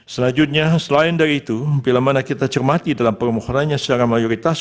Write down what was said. selanjutnya selain dari itu bila mana kita cermati dalam permohonannya secara mayoritas